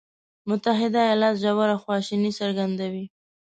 متحده ایالات ژوره خواشیني څرګندوي.